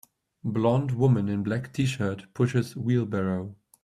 Blond woman in black tshirt pushes wheelbarrow.